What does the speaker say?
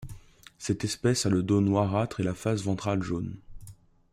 Cette espèce a le dos noirâtre et la face ventrale jaune.